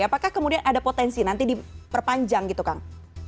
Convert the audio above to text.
apakah kemudian ada potensi nanti diperpanjang gitu kang